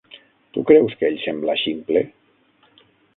Tu creus que ell sembla ximple?